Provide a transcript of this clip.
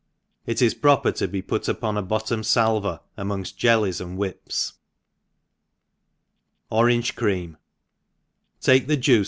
— It is proper to be put upo|i^ bottom fajver amongfl Jellies apd whips.. « Orange Cream, • TAKE the'juice.